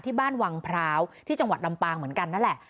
บ้านวังพร้าวที่จังหวัดลำปางเหมือนกันนั่นแหละ